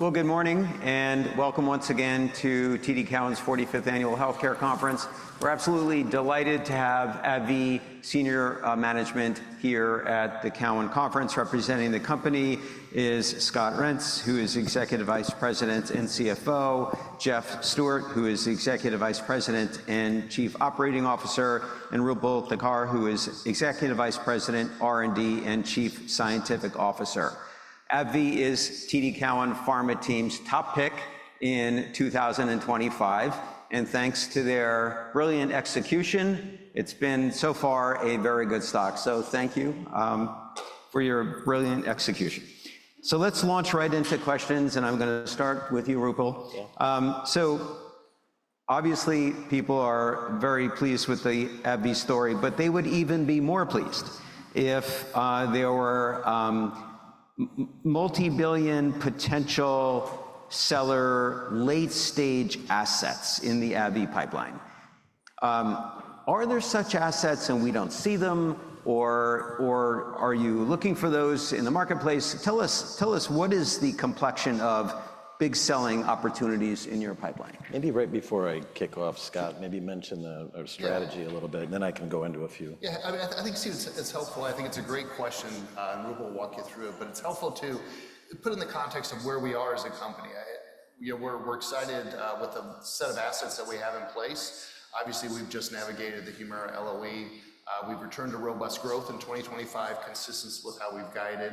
Good morning and welcome once again to TD Cowen's 45th Annual Healthcare Conference. We're absolutely delighted to have AbbVie Senior Management here at the Cowen Conference. Representing the company is Scott Reents, who is Executive Vice President and CFO, Jeff Stewart, who is Executive Vice President and Chief Operating Officer, and Roopal Thakkar, who is Executive Vice President, R&D, and Chief Scientific Officer. AbbVie is TD Cowen Pharma team's top pick in 2025, and thanks to their brilliant execution, it's been so far a very good stock. Thank you for your brilliant execution. Let's launch right into questions, and I'm going to start with you, Roopal. Obviously, people are very pleased with the AbbVie story, but they would even be more pleased if there were multibillion potential seller late-stage assets in the AbbVie pipeline. Are there such assets and we don't see them, or are you looking for those in the marketplace? Tell us what is the complexion of big selling opportunities in your pipeline? Maybe right before I kick off, Scott, maybe mention our strategy a little bit, and then I can go into a few. Yeah, I think, it's helpful. I think it's a great question, and Roopal will walk you through it, but it's helpful to put it in the context of where we are as a company. We're excited with the set of assets that we have in place. Obviously, we've just navigated the Humira LOE. We've returned to robust growth in 2025, consistent with how we've guided,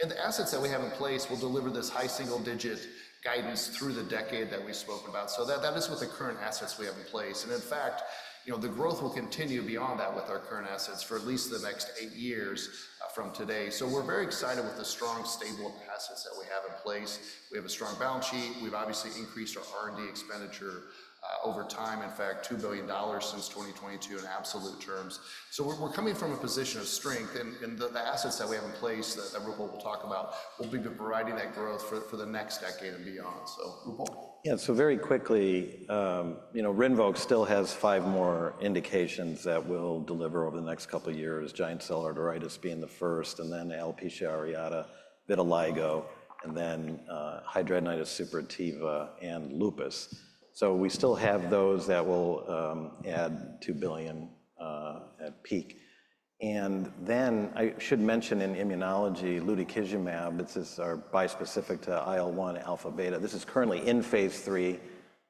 and the assets that we have in place will deliver this high single-digit guidance through the decade that we've spoken about. So that is what the current assets we have in place. In fact, the growth will continue beyond that with our current assets for at least the next eight years from today. We're very excited with the strong, stable assets that we have in place. We have a strong balance sheet. We've obviously increased our R&D expenditure over time, in fact, $2 billion since 2022 in absolute terms. So we're coming from a position of strength, and the assets that we have in place that Roopal will talk about will be providing that growth for the next decade and beyond. So Roopal? Yeah, so very quickly, RINVOQ still has five more indications that will deliver over the next couple of years, Giant cell arteritis being the first, and then alopecia areata, vitiligo, and then hidradenitis suppurativa, and lupus. So we still have those that will add $2 billion at peak. And then I should mention in immunology, Lutikizumab, this is our bispecific to IL-1 alpha beta. This is currently in phase three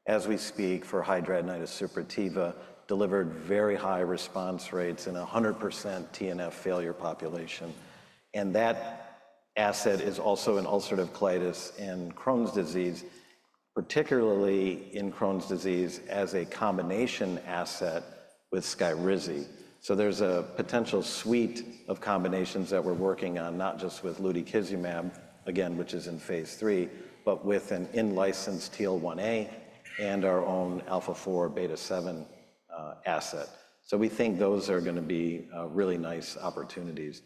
as we speak for hidradenitis suppurativa, delivered very high response rates in a 100% TNF failure population. And that asset is also in ulcerative colitis and Crohn's disease, particularly in Crohn's disease as a combination asset with SKYRIZI. So there's a potential suite of combinations that we're working on, not just with Lutikizumab, again, which is in phase three, but with an in-licensed TL-1A and our own alpha-4 beta-7 asset. We think those are going to be really nice opportunities.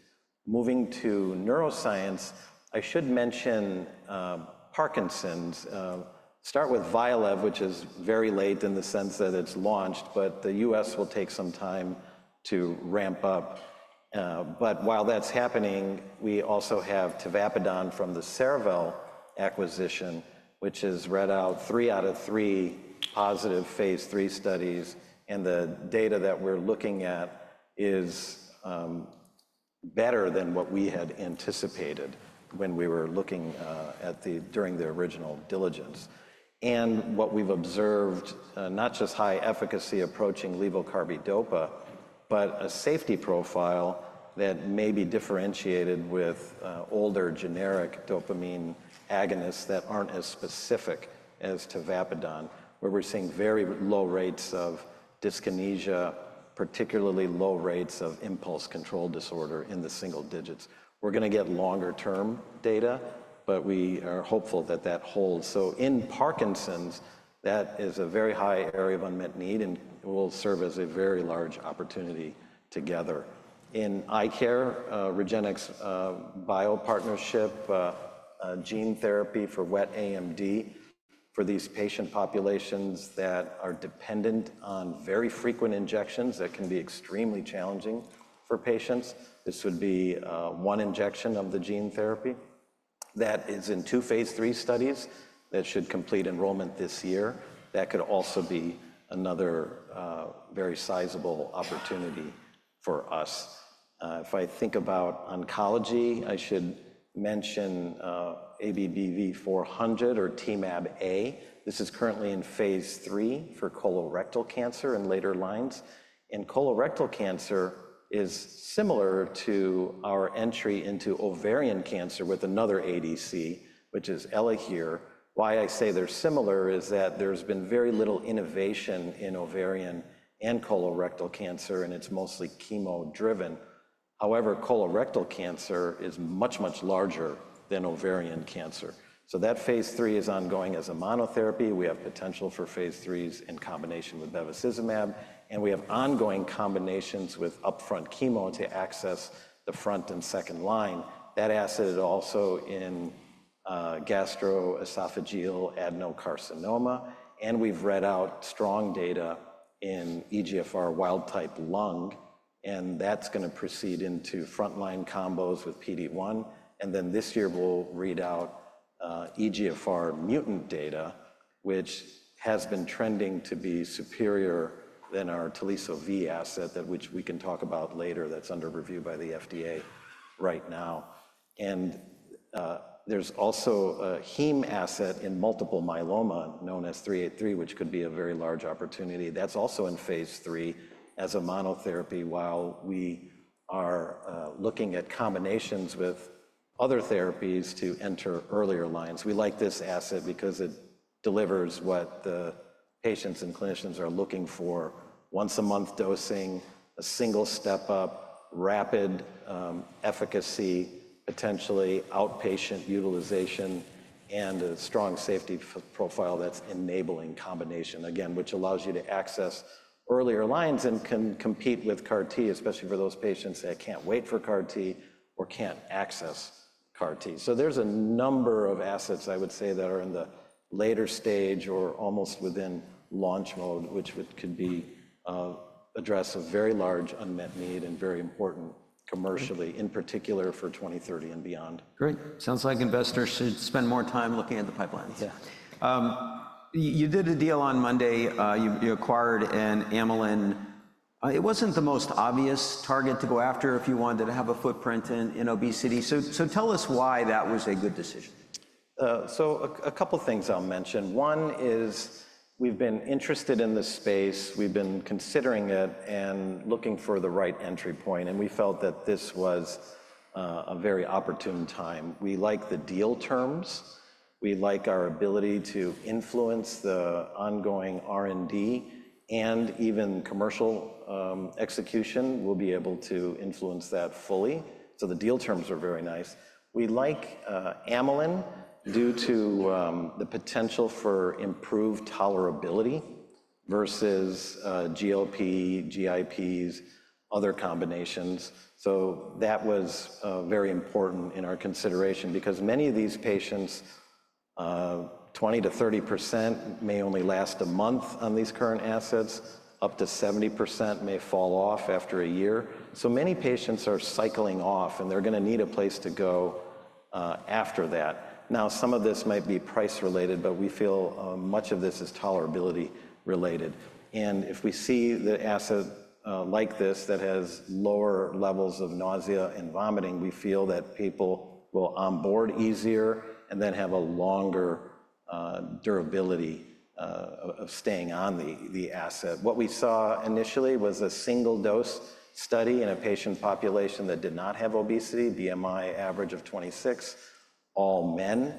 Moving to neuroscience, I should mention Parkinson's. Start with VYALEV, which is very late in the sense that it's launched, but the U.S. will take some time to ramp up. But while that's happening, we also have tavapadon from the Cerevel acquisition, which has read out three out of three positive phase three studies, and the data that we're looking at is better than what we had anticipated when we were looking at during the original diligence. What we've observed, not just high efficacy approaching levo/carbidopa, but a safety profile that may be differentiated with older generic dopamine agonists that aren't as specific as tavapadon, where we're seeing very low rates of dyskinesia, particularly low rates of impulse control disorder in the single digits. We're going to get longer-term data, but we are hopeful that that holds. In Parkinson's, that is a very high area of unmet need, and it will serve as a very large opportunity together. In eye care, REGENXBIO partnership gene therapy for wet AMD for these patient populations that are dependent on very frequent injections that can be extremely challenging for patients. This would be one injection of the gene therapy that is in two phase three studies that should complete enrollment this year. That could also be another very sizable opportunity for us. If I think about oncology, I should mention ABBV-400 or Temab-A. This is currently in phase three for colorectal cancer and later lines. Colorectal cancer is similar to our entry into ovarian cancer with another ADC, which is Elahere. Why I say they're similar is that there's been very little innovation in ovarian and colorectal cancer, and it's mostly chemo-driven. However, colorectal cancer is much, much larger than ovarian cancer. So that phase 3 is ongoing as a monotherapy. We have potential for phase 3s in combination with Bevacizumab, and we have ongoing combinations with upfront chemo to access the front and second line. That asset is also in gastroesophageal adenocarcinoma, and we've read out strong data in EGFR wild-type lung, and that's going to proceed into frontline combos with PD-1, and then this year, we'll read out EGFR mutant data, which has been trending to be superior than our Teliso-V asset, which we can talk about later that's under review by the FDA right now, and there's also a heme asset in multiple myeloma known as 383, which could be a very large opportunity. That's also in phase 3 as a monotherapy while we are looking at combinations with other therapies to enter earlier lines. We like this asset because it delivers what the patients and clinicians are looking for: once-a-month dosing, a single step-up, rapid efficacy, potentially outpatient utilization, and a strong safety profile that's enabling combination, again, which allows you to access earlier lines and can compete with CAR-T, especially for those patients that can't wait for CAR-T or can't access CAR-T. So there's a number of assets, I would say, that are in the later stage or almost within launch mode, which could address a very large unmet need and very important commercially, in particular for 2030 and beyond. Great. Sounds like investors should spend more time looking at the pipelines. Yeah. You did a deal on Monday. You acquired an amylin. It wasn't the most obvious target to go after if you wanted to have a footprint in obesity. So tell us why that was a good decision? A couple of things I'll mention. One is we've been interested in this space. We've been considering it and looking for the right entry point, and we felt that this was a very opportune time. We like the deal terms. We like our ability to influence the ongoing R&D and even commercial execution. We'll be able to influence that fully. The deal terms are very nice. We like amylin due to the potential for improved tolerability versus GLP, GIPs, other combinations. That was very important in our consideration because many of these patients, 20%-30%, may only last a month on these current assets. Up to 70% may fall off after a year. Many patients are cycling off, and they're going to need a place to go after that. Now, some of this might be price-related, but we feel much of this is tolerability-related. If we see the asset like this that has lower levels of nausea and vomiting, we feel that people will onboard easier and then have a longer durability of staying on the asset. What we saw initially was a single-dose study in a patient population that did not have obesity, BMI average of 26, all men.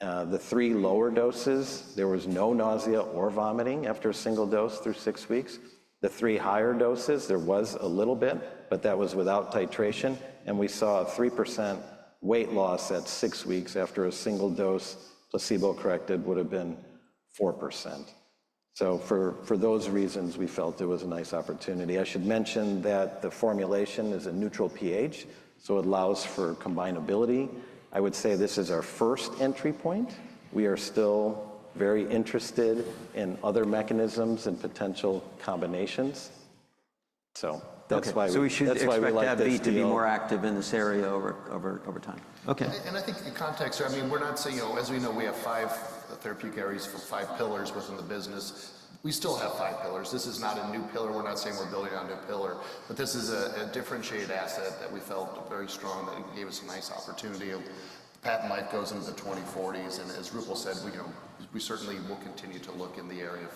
The three lower doses, there was no nausea or vomiting after a single dose through six weeks. The three higher doses, there was a little bit, but that was without titration. We saw a 3% weight loss at six weeks after a single dose, placebo-corrected would have been 4%. For those reasons, we felt it was a nice opportunity. I should mention that the formulation is a neutral pH, so it allows for combinability. I would say this is our first entry point. We are still very interested in other mechanisms and potential combinations. So that's why we like AbbVie. We should expect AbbVie to be more active in this area over time. I think the context here, I mean, we're not saying, as we know, we have five therapeutic areas for five pillars within the business. We still have five pillars. This is not a new pillar. We're not saying we're building on a new pillar, but this is a differentiated asset that we felt very strong that gave us a nice opportunity. The patent life goes into the 2040s. As Roopal said, we certainly will continue to look in the area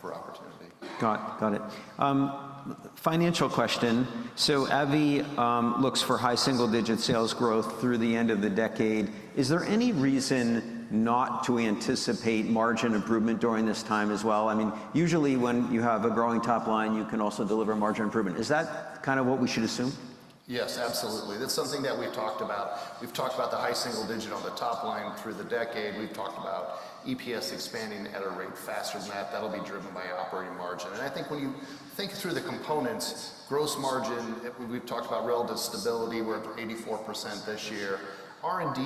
for opportunity. Got it. Financial question. So AbbVie looks for high single-digit sales growth through the end of the decade. Is there any reason not to anticipate margin improvement during this time as well? I mean, usually when you have a growing top line, you can also deliver margin improvement. Is that kind of what we should assume? Yes, absolutely. That's something that we've talked about. We've talked about the high single digit on the top line through the decade. We've talked about EPS expanding at a rate faster than that. That'll be driven by operating margin. And I think when you think through the components, gross margin, we've talked about relative stability. We're up to 84% this year. R&D,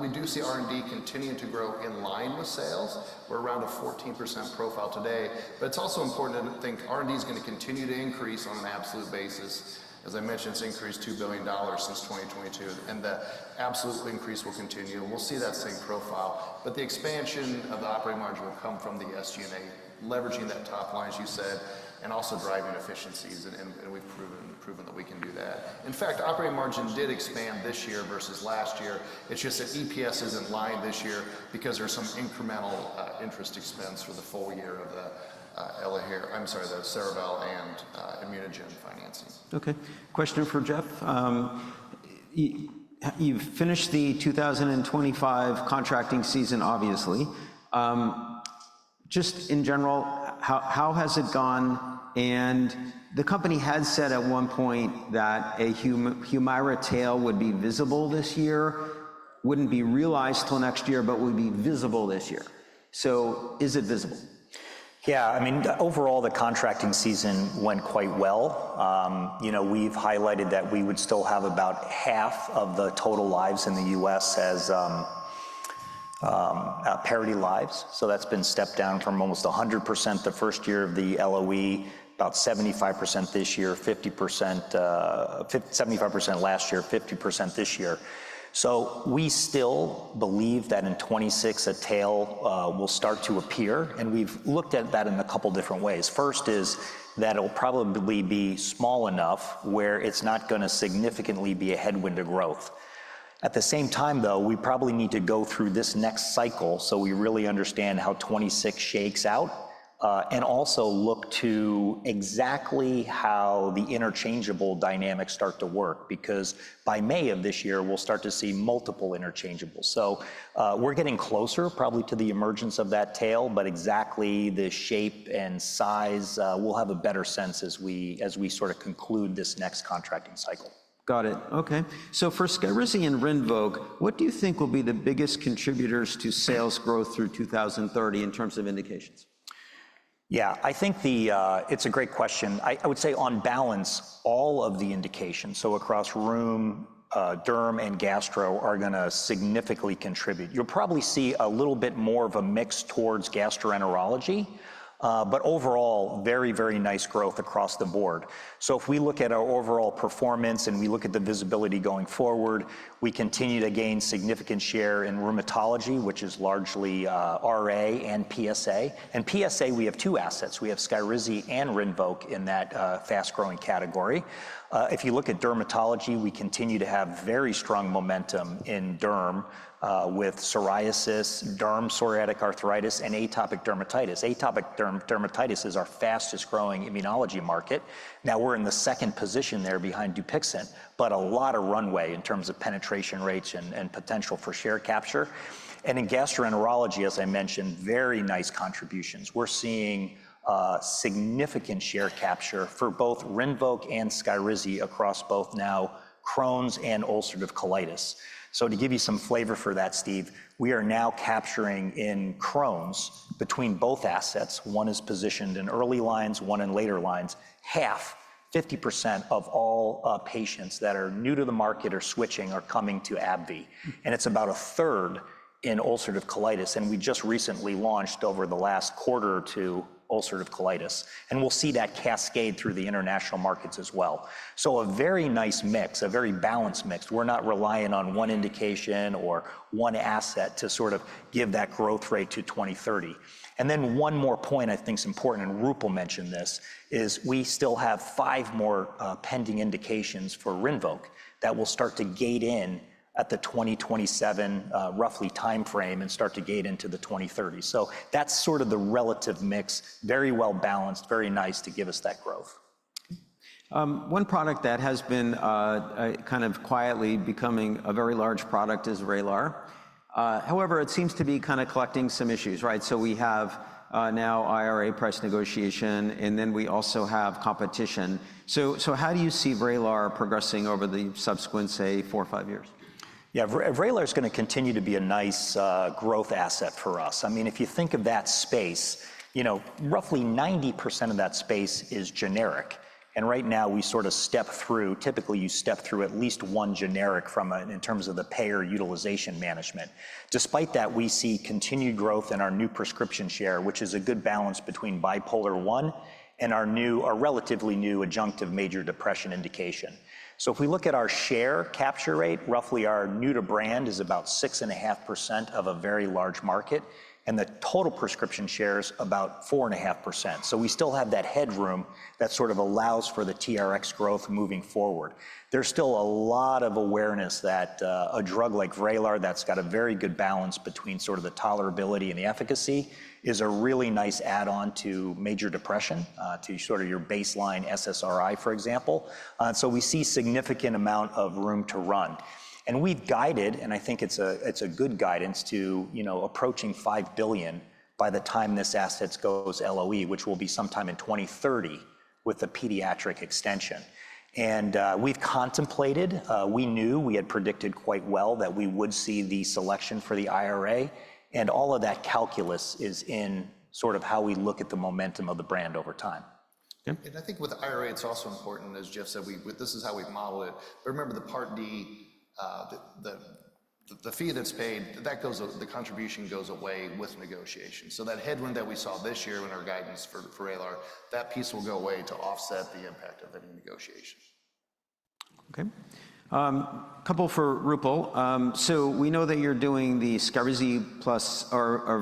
we do see R&D continuing to grow in line with sales. We're around a 14% profile today. But it's also important to think R&D is going to continue to increase on an absolute basis. As I mentioned, it's increased $2 billion since 2022, and the absolute increase will continue. We'll see that same profile. But the expansion of the operating margin will come from the SG&A, leveraging that top line, as you said, and also driving efficiencies. And we've proven that we can do that. In fact, operating margin did expand this year versus last year. It's just that EPS is in line this year because there's some incremental interest expense for the full year of the Elahere, I'm sorry, the Cerevel and ImmunoGen financing. Okay. Question for Jeff. You've finished the 2025 contracting season, obviously. Just in general, how has it gone? And the company had said at one point that a Humira tail would be visible this year, wouldn't be realized till next year, but would be visible this year. So is it visible? Yeah. I mean, overall, the contracting season went quite well. We've highlighted that we would still have about half of the total lives in the U.S. as parity lives. So that's been stepped down from almost 100% the first year of the LOE, about 75% this year, 75% last year, 50% this year. So we still believe that in 2026, a tail will start to appear, and we've looked at that in a couple of different ways. First is that it'll probably be small enough where it's not going to significantly be a headwind to growth. At the same time, though, we probably need to go through this next cycle so we really understand how 2026 shakes out and also look to exactly how the interchangeable dynamics start to work because by May of this year, we'll start to see multiple interchangeables. We're getting closer probably to the emergence of that tail, but exactly the shape and size, we'll have a better sense as we sort of conclude this next contracting cycle. Got it. Okay. So for SKYRIZI and RINVOQ, what do you think will be the biggest contributors to sales growth through 2030 in terms of indications? Yeah, I think it's a great question. I would say on balance, all of the indications, so across rheum, derm, and gastro, are going to significantly contribute. You'll probably see a little bit more of a mix towards gastroenterology, but overall, very, very nice growth across the board. So if we look at our overall performance and we look at the visibility going forward, we continue to gain significant share in rheumatology, which is largely RA and PSA. And PSA, we have two assets. We have SKYRIZI and RINVOQ in that fast-growing category. If you look at dermatology, we continue to have very strong momentum in derm with psoriasis, derm psoriatic arthritis, and atopic dermatitis. Atopic dermatitis is our fastest-growing immunology market. Now we're in the second position there behind Dupixent, but a lot of runway in terms of penetration rates and potential for share capture. In gastroenterology, as I mentioned, very nice contributions. We're seeing significant share capture for both RINVOQ and SKYRIZI across both now Crohn's and ulcerative colitis. So to give you some flavor for that, Steve, we are now capturing in Crohn's between both assets. One is positioned in early lines, one in later lines. Half, 50% of all patients that are new to the market are switching or coming to AbbVie. And it's about a third in ulcerative colitis. And we just recently launched over the last quarter to ulcerative colitis. And we'll see that cascade through the international markets as well. So a very nice mix, a very balanced mix. We're not relying on one indication or one asset to sort of give that growth rate to 2030. And then one more point I think is important, and Roopal mentioned this, is we still have five more pending indications for RINVOQ that will start to gate in at the 2027 roughly timeframe and start to gate into the 2030. So that's sort of the relative mix, very well balanced, very nice to give us that growth. One product that has been kind of quietly becoming a very large product is Vraylar. However, it seems to be kind of collecting some issues, right? So we have now IRA price negotiation, and then we also have competition. So how do you see Vraylar progressing over the subsequent, say, four or five years? Yeah, Vraylar is going to continue to be a nice growth asset for us. I mean, if you think of that space, roughly 90% of that space is generic, and right now, we sort of step through, typically you step through at least one generic in terms of the payer utilization management. Despite that, we see continued growth in our new prescription share, which is a good balance between bipolar one and our relatively new adjunctive major depression indication, so if we look at our share capture rate, roughly our new-to-brand is about 6.5% of a very large market, and the total prescription share is about 4.5%, so we still have that headroom that sort of allows for the TRX growth moving forward. There's still a lot of awareness that a drug like Vraylar that's got a very good balance between sort of the tolerability and the efficacy is a really nice add-on to major depression, to sort of your baseline SSRI, for example. So we see a significant amount of room to run. And we've guided, and I think it's a good guidance to approaching $5 billion by the time this asset goes LOE, which will be sometime in 2030 with the pediatric extension. And we've contemplated, we knew, we had predicted quite well that we would see the selection for the IRA. And all of that calculus is in sort of how we look at the momentum of the brand over time. I think with the IRA, it's also important, as Jeff said, this is how we've modeled it. But remember the Part D, the fee that's paid. The contribution goes away with negotiation. So that headwind that we saw this year in our guidance for Vraylar, that piece will go away to offset the impact of any negotiation. Okay. A couple for Roopal. So we know that you're doing the SKYRIZI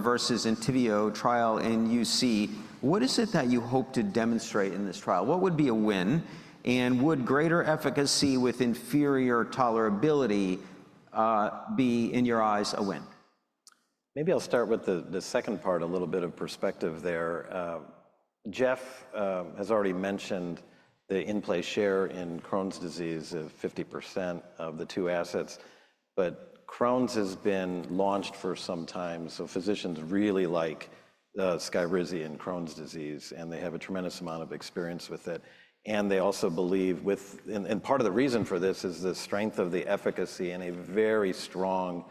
versus Entyvio trial in UC. What is it that you hope to demonstrate in this trial? What would be a win? And would greater efficacy with inferior tolerability be, in your eyes, a win? Maybe I'll start with the second part, a little bit of perspective there. Jeff has already mentioned the in-place share in Crohn's disease of 50% of the two assets but Crohn's has been launched for some time so physicians really like SKYRIZI in Crohn's disease, and they have a tremendous amount of experience with it and they also believe, and part of the reason for this is the strength of the efficacy and a very strong,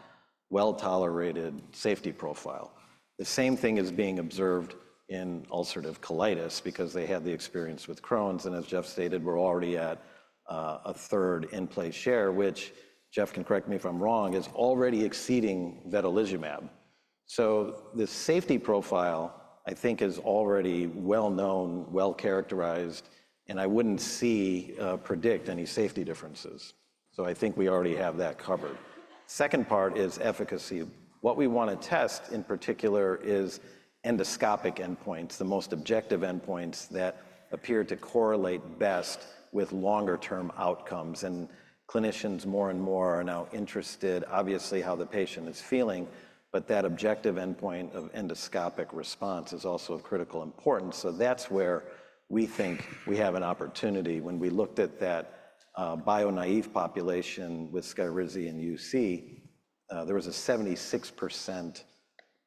well-tolerated safety profile. The same thing is being observed in ulcerative colitis because they had the experience with Crohn's and as Jeff stated, we're already at a third in-place share, which Jeff can correct me if I'm wrong, is already exceeding vedolizumab so the safety profile, I think, is already well-known, well-characterized, and I wouldn't predict any safety differences so I think we already have that covered. Second part is efficacy. What we want to test in particular is endoscopic endpoints, the most objective endpoints that appear to correlate best with longer-term outcomes. And clinicians more and more are now interested, obviously, how the patient is feeling, but that objective endpoint of endoscopic response is also of critical importance. So that's where we think we have an opportunity. When we looked at that bio-naive population with SKYRIZI in UC, there was a 76%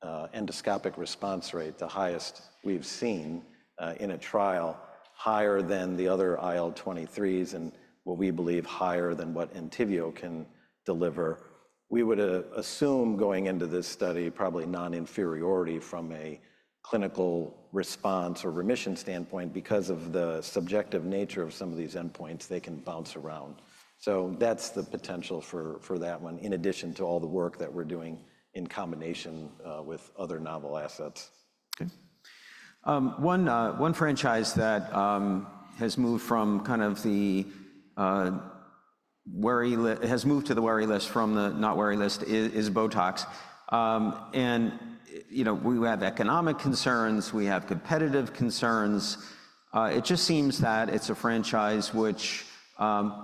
endoscopic response rate, the highest we've seen in a trial, higher than the other IL-23s and what we believe higher than what Entyvio can deliver. We would assume going into this study probably non-inferiority from a clinical response or remission standpoint because of the subjective nature of some of these endpoints. They can bounce around. So that's the potential for that one, in addition to all the work that we're doing in combination with other novel assets. Okay. One franchise that has moved from kind of the worry list, has moved to the worry list from the not worry list is Botox. And we have economic concerns. We have competitive concerns. It just seems that it's a franchise which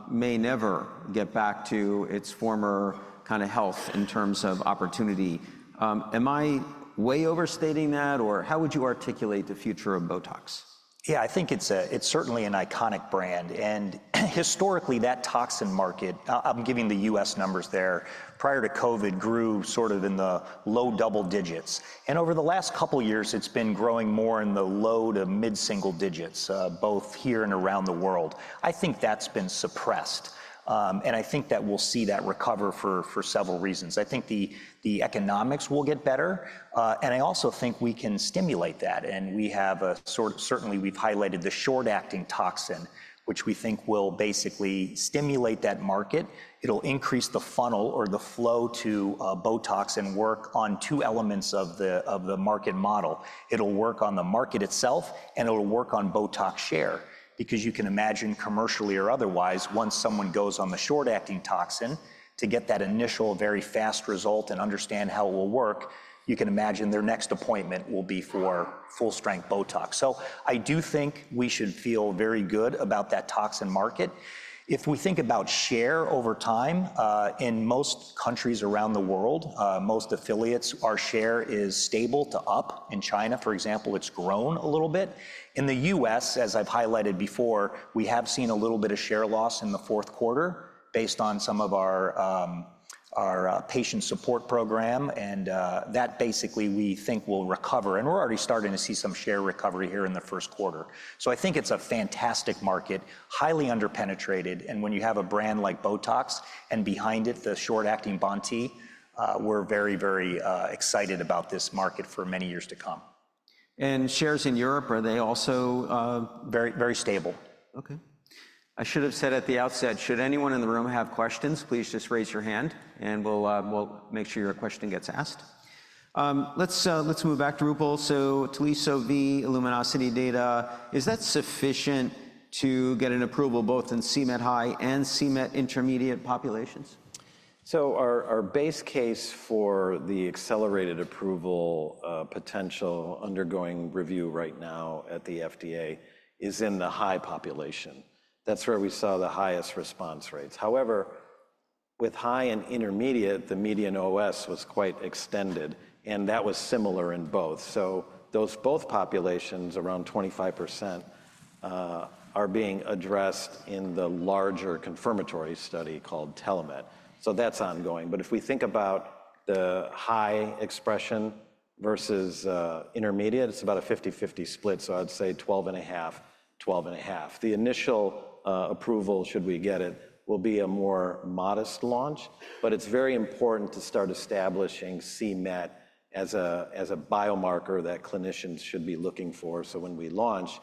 may never get back to its former kind of health in terms of opportunity. Am I way overstating that, or how would you articulate the future of Botox? Yeah, I think it's certainly an iconic brand. And historically, that toxin market, I'm giving the U.S. numbers there, prior to COVID grew sort of in the low double digits. And over the last couple of years, it's been growing more in the low to mid-single digits, both here and around the world. I think that's been suppressed. And I think that we'll see that recover for several reasons. I think the economics will get better. And I also think we can stimulate that. And we have a sort of, certainly we've highlighted the short-acting toxin, which we think will basically stimulate that market. It'll increase the funnel or the flow to Botox and work on two elements of the market model. It'll work on the market itself, and it'll work on Botox share. Because you can imagine commercially or otherwise, once someone goes on the short-acting toxin to get that initial very fast result and understand how it will work, you can imagine their next appointment will be for full-strength Botox. So I do think we should feel very good about that toxin market. If we think about share over time, in most countries around the world, most affiliates, our share is stable to up. In China, for example, it's grown a little bit. In the U.S., as I've highlighted before, we have seen a little bit of share loss in the fourth quarter based on some of our patient support program, and that basically we think will recover, and we're already starting to see some share recovery here in the first quarter, so I think it's a fantastic market, highly underpenetrated. When you have a brand like Botox and behind it the short-acting BoNT-E, we're very, very excited about this market for many years to come. And shares in Europe, are they also very stable? Okay. I should have said at the outset, should anyone in the room have questions, please just raise your hand, and we'll make sure your question gets asked. Let's move back to Roopal. So Teliso-V LUMINOSITY data, is that sufficient to get an approval both in c-Met high and c-Met intermediate populations? Our base case for the accelerated approval potential undergoing review right now at the FDA is in the high population. That's where we saw the highest response rates. However, with high and intermediate, the median OS was quite extended, and that was similar in both. Those both populations, around 25%, are being addressed in the larger confirmatory study called Telemet. That's ongoing. If we think about the high expression versus intermediate, it's about a 50-50 split. I'd say 12.5, 12.5. The initial approval, should we get it, will be a more modest launch. It's very important to start establishing c-Met as a biomarker that clinicians should be looking for. So, when we launch,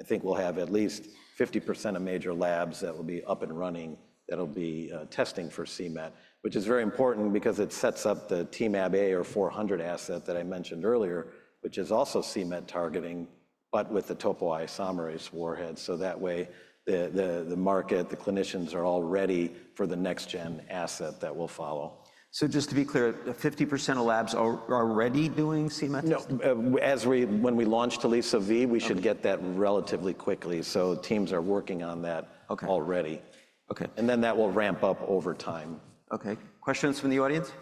I think we'll have at least 50% of major labs that will be up and running that will be testing for c-Met, which is very important because it sets up the Temab-A or ABBV-400 asset that I mentioned earlier, which is also c-Met targeting, but with the topoisomerase warhead. So that way, the market, the clinicians are all ready for the next-gen asset that will follow. So just to be clear, 50% of labs are already doing c-Met testing? No. When we launch Teliso-V, we should get that relatively quickly, so teams are working on that already, and then that will ramp up over time. Okay. Questions from the audience?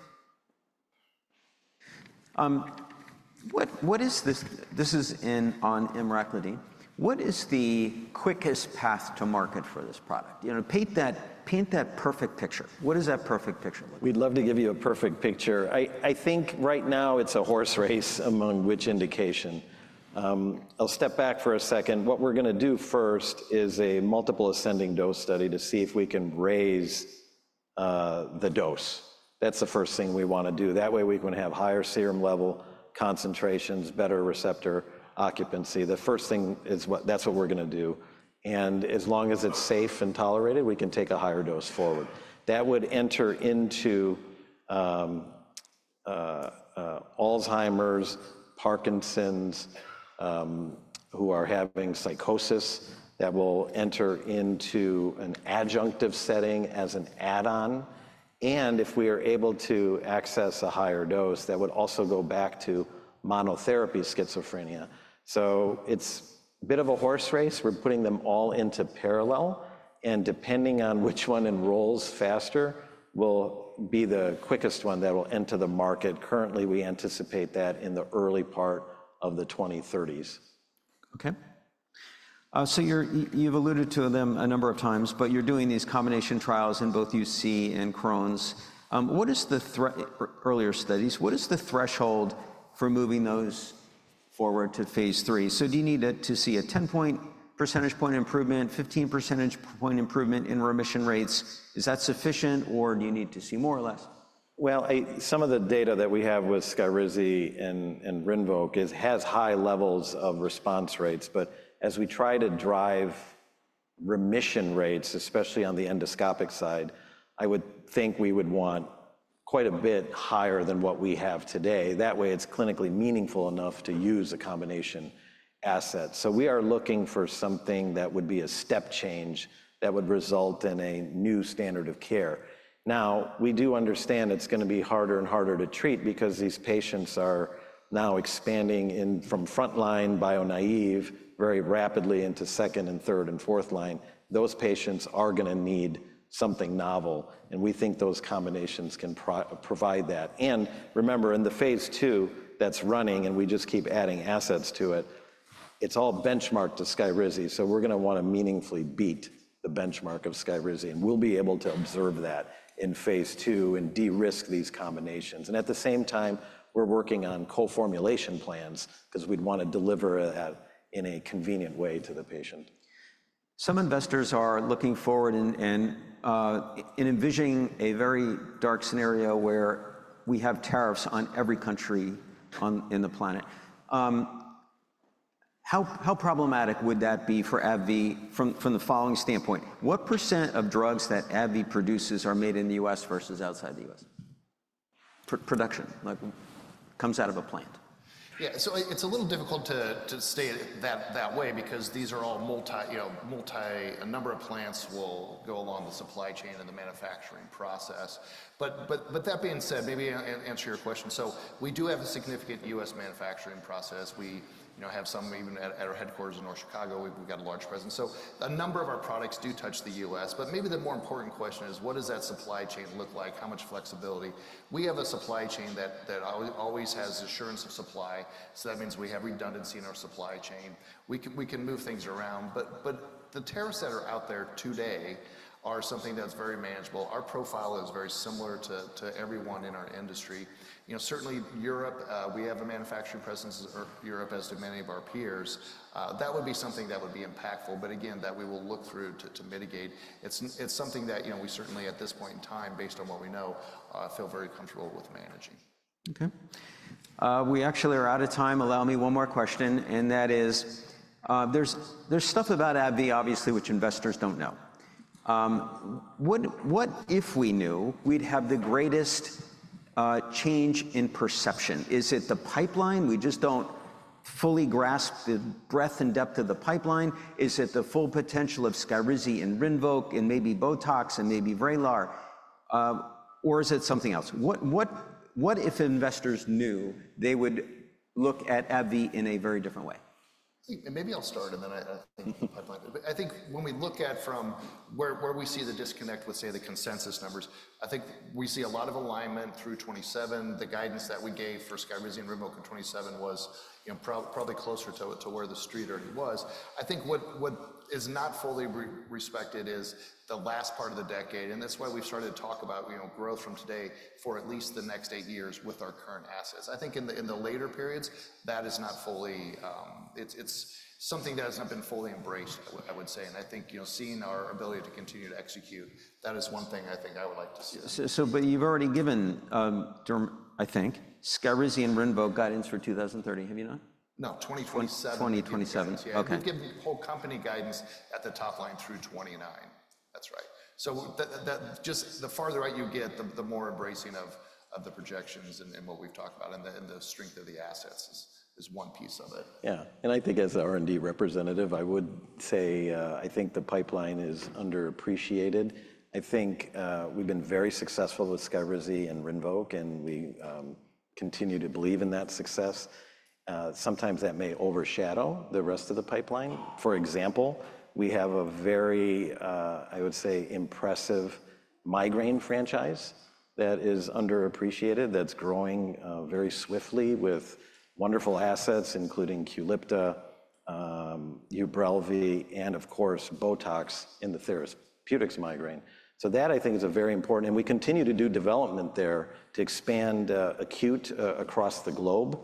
What is this, this is on Emraclidine. What is the quickest path to market for this product? Paint that perfect picture. What does that perfect picture look like? We'd love to give you a perfect picture. I think right now it's a horse race among which indication. I'll step back for a second. What we're going to do first is a multiple ascending dose study to see if we can raise the dose. That's the first thing we want to do. That way, we can have higher serum level concentrations, better receptor occupancy. The first thing is that's what we're going to do. And as long as it's safe and tolerated, we can take a higher dose forward. That would enter into Alzheimer's, Parkinson's, who are having psychosis. That will enter into an adjunctive setting as an add-on. And if we are able to access a higher dose, that would also go back to monotherapy schizophrenia. So it's a bit of a horse race. We're putting them all into parallel. Depending on which one enrolls faster, will be the quickest one that will enter the market. Currently, we anticipate that in the early part of the 2030s. Okay. So you've alluded to them a number of times, but you're doing these combination trials in both UC and Crohn's. From the earlier studies, what is the threshold for moving those forward to phase 3? So do you need to see a 10 percentage point improvement, 15 percentage point improvement in remission rates? Is that sufficient, or do you need to see more or less? Some of the data that we have with SKYRIZI and RINVOQ has high levels of response rates, but as we try to drive remission rates, especially on the endoscopic side, I would think we would want quite a bit higher than what we have today. That way, it's clinically meaningful enough to use a combination asset, so we are looking for something that would be a step change that would result in a new standard of care. Now, we do understand it's going to be harder and harder to treat because these patients are now expanding from front line, bio-naive, very rapidly into second and third and fourth line. Those patients are going to need something novel, and we think those combinations can provide that, and remember, in the phase two that's running, and we just keep adding assets to it. It's all benchmarked to SKYRIZI. So we're going to want to meaningfully beat the benchmark of SKYRIZI. And we'll be able to observe that in phase two and de-risk these combinations. And at the same time, we're working on co-formulation plans because we'd want to deliver that in a convenient way to the patient. Some investors are looking forward and envisioning a very dark scenario where we have tariffs on every country on the planet. How problematic would that be for AbbVie from the following standpoint? What % of drugs that AbbVie produces are made in the U.S. versus outside the U.S.? Production, like comes out of a plant. Yeah. So it's a little difficult to say that way because these are all multiple, a number of plants will go along the supply chain and the manufacturing process. But that being said, maybe answer your question. So we do have a significant U.S. manufacturing presence. We have some even at our headquarters in North Chicago. We've got a large presence. So a number of our products do touch the U.S. But maybe the more important question is, what does that supply chain look like? How much flexibility? We have a supply chain that always has assurance of supply. So that means we have redundancy in our supply chain. We can move things around. But the tariffs that are out there today are something that's very manageable. Our profile is very similar to everyone in our industry. Certainly, Europe, we have a manufacturing presence in Europe, as do many of our peers. That would be something that would be impactful, but again, that we will look through to mitigate. It's something that we certainly, at this point in time, based on what we know, feel very comfortable with managing. Okay. We actually are out of time. Allow me one more question. And that is, there's stuff about AbbVie, obviously, which investors don't know. What if we knew, we'd have the greatest change in perception? Is it the pipeline? We just don't fully grasp the breadth and depth of the pipeline. Is it the full potential of SKYRIZI and RINVOQ and maybe Botox and maybe Vraylar, or is it something else? What if investors knew, they would look at AbbVie in a very different way? Maybe I'll start and then I think I might. I think when we look at from where we see the disconnect with, say, the consensus numbers, I think we see a lot of alignment through 2027. The guidance that we gave for SKYRIZI and RINVOQ in 2027 was probably closer to where the street already was. I think what is not fully respected is the last part of the decade. And that's why we've started to talk about growth from today for at least the next eight years with our current assets. I think in the later periods, that is not fully, it's something that has not been fully embraced, I would say. And I think seeing our ability to continue to execute, that is one thing I think I would like to see. So but you've already given, I think, SKYRIZI and RINVOQ guidance for 2030. Have you not? No, 2027. 2027. Okay. We've given whole company guidance at the top line through 2029. That's right. So just the farther right you get, the more embracing of the projections and what we've talked about. And the strength of the assets is one piece of it. Yeah. And I think as the R&D representative, I would say I think the pipeline is underappreciated. I think we've been very successful with SKYRIZI and RINVOQ, and we continue to believe in that success. Sometimes that may overshadow the rest of the pipeline. For example, we have a very, I would say, impressive migraine franchise that is underappreciated, that's growing very swiftly with wonderful assets, including Qulipta, Ubrelvy, and of course, Botox in the therapeutics migraine. So that I think is very important. And we continue to do development there to expand acute across the globe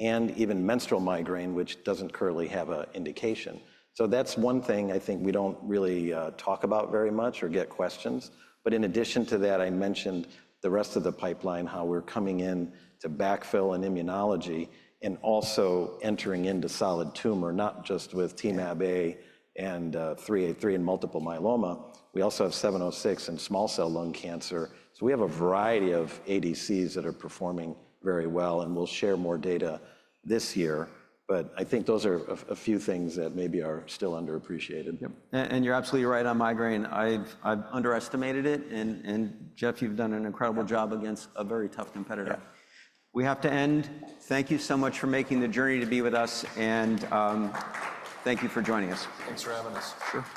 and even menstrual migraine, which doesn't currently have an indication. So that's one thing I think we don't really talk about very much or get questions. But in addition to that, I mentioned the rest of the pipeline, how we're coming in to backfill in immunology and also entering into solid tumors, not just with Temab-A and 383 and multiple myeloma. We also have 706 and small cell lung cancer. So we have a variety of ADCs that are performing very well. And we'll share more data this year. But I think those are a few things that maybe are still underappreciated. Yep. And you're absolutely right on migraine. I've underestimated it. And Jeff, you've done an incredible job against a very tough competitor. We have to end. Thank you so much for making the journey to be with us. And thank you for joining us. Thanks for having us. Sure.